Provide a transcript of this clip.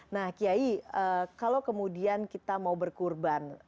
nah kiai kalau kemudian kita mau berkurban